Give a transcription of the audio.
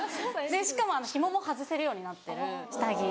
しかも紐も外せるようになってる下着。